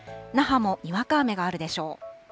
那覇もにわか雨があるでしょう。